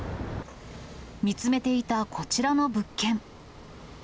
見つめていたこちらの物件。